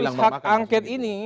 nah pansus hak angket ini